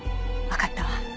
わかったわ。